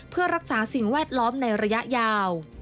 เพื่อรักษาสิ่งแวดล้อมในระยะยาว